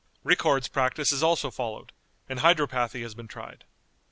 Ricord's practice is also followed, and Hydropathy has been tried.